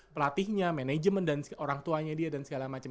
pelatihnya manajemen dan orang tuanya dia dan segala macam